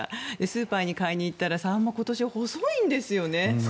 スーパーに買いに行ったらサンマ、今年細いんですよね。